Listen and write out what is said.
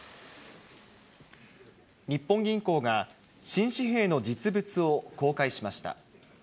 日本銀行が、新紙幣の実物を公開しました。